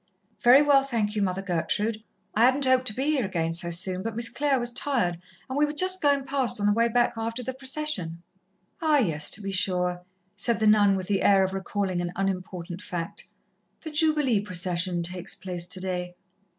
"Very well, thank you, Mother Gertrude. I hadn't hoped to be here again so soon, but Miss Clare was tired, and we were just going past, on the way back after the procession." "Ah, yes, to be sure," said the nun with the air of recalling an unimportant fact "the Jubilee procession takes place today.